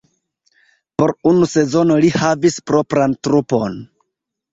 Por unu sezono li havis propran trupon.